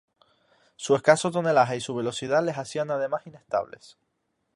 Su escaso tonelaje y su velocidad les hacían además inestables.